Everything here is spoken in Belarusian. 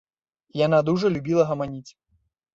Яна дужа любіла гаманіць.